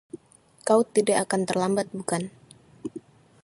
Kau tidak akan terlambat, bukan?